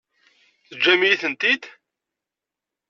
Teǧǧam-iyi-tent-id?